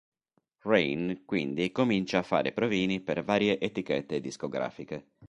Rain quindi comincia a fare provini per varie etichette discografiche.